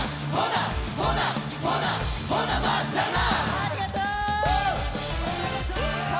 ありがとう。